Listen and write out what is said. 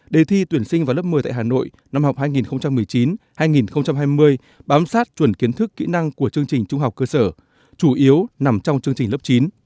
đề thi tuyển sinh vào lớp một mươi tại hà nội năm học hai nghìn một mươi chín hai nghìn hai mươi bám sát chuẩn kiến thức kỹ năng của chương trình trung học cơ sở chủ yếu nằm trong chương trình lớp chín